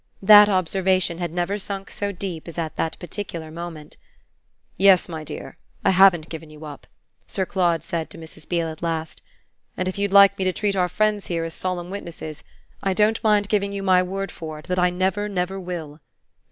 That observation had never sunk so deep as at this particular moment. "Yes, my dear, I haven't given you up," Sir Claude said to Mrs. Beale at last, "and if you'd like me to treat our friends here as solemn witnesses I don't mind giving you my word for it that I never never will.